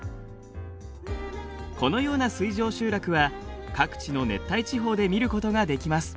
このような水上集落は各地の熱帯地方で見ることができます。